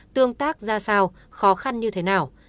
tương tác ra sao khó khăn như thế nào